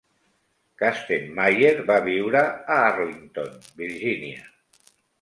Kastenmeier va viure a Arlington, Virgínia.